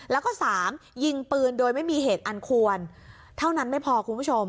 แล้วก็สามยิงปืนโดยไม่มีเหตุอันควรเท่านั้นไม่พอคุณผู้ชม